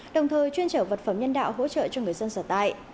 đồng thời chuyên trở vật phẩm nhân đạo hỗ trợ cho người dân sở tại